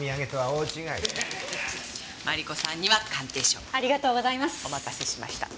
お待たせしました。